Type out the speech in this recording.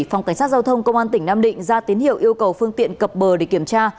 phòng cảnh sát giao thông công an tỉnh nam định ra tín hiệu yêu cầu phương tiện cập bờ để kiểm tra